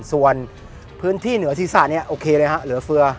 ส่วนพื้นที่เหนือศีรษะเนี่ยโอเคเลยฮะเหลือเฟือ